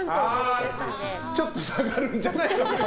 ちょっと下がるんじゃないかと。